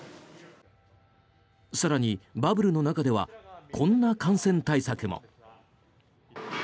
更に、バブルの中ではこんな感染対策も。